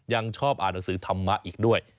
ยังชอบอ่านหนังสือธรรมะอีกด้วย